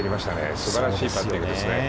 すばらしいパッティングですね。